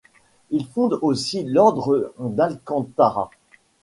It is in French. Il fonde aussi l'ordre d'Alcántara.